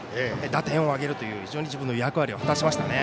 打点を挙げるという自分の役割を果たしましたね。